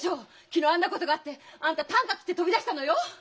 昨日あんなことがあってあんたたんか切って飛び出したのよ！